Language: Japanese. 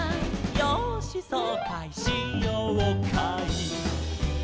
「よーしそうかいしようかい」